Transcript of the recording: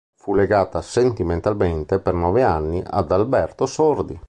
Fu legata sentimentalmente per nove anni ad Alberto Sordi.